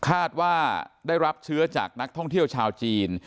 คาดว่าได้รับเชื้อจากนักท่องเที่ยวชาวจีน